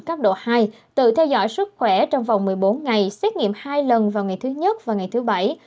cấp độ hai tự theo dõi sức khỏe trong vòng một mươi bốn ngày xét nghiệm hai lần vào ngày thứ nhất và ngày thứ bảy